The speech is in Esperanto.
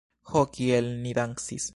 Ho, kiel ni dancis!